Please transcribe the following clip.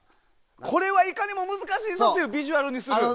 これはいかにも難しいぞというビジュアルにする？